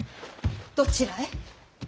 どちらへ。